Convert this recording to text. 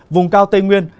vùng cao tây nguyên